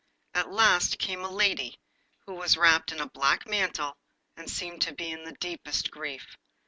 At last came a lady who was wrapped in a black mantle, and seemed to be in the deepest grief.